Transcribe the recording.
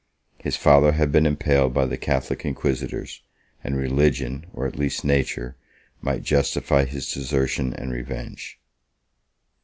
His father had been impaled by the Catholic inquisitors; and religion, or at least nature, might justify his desertion and revenge.